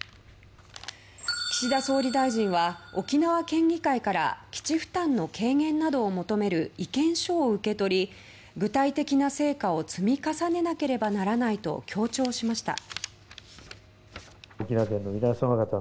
岸田総理大臣は沖縄県議会から基地負担の軽減などを求める意見書を受け取り具体的な成果を積み重ねなければならないと強調しました。